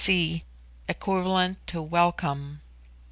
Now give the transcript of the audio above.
Si, equivalent to "Welcome."